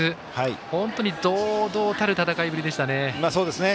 本当に堂々たる戦いぶりでしたね。